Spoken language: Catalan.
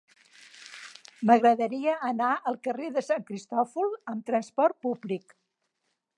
M'agradaria anar al carrer de Sant Cristòfol amb trasport públic.